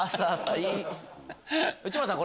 内村さん